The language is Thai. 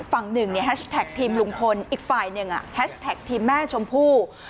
ฝั่งหนึ่งเนี่ยแฮชแท็กทีมลุงพลอีกฝ่ายหนึ่งแฮชแท็กทีมแม่ชมพู่